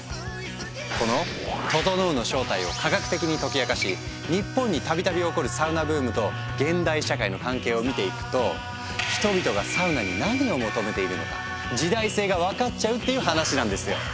この「ととのう」の正体を科学的に解き明かし日本に度々起こるサウナブームと現代社会の関係を見ていくと人々がサウナに何を求めているのか時代性が分かっちゃうっていう話なんですよ。